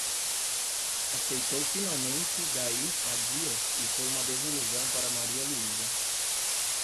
Aceitou finalmente, daí a dias, e foi uma desilusão para Maria Luísa.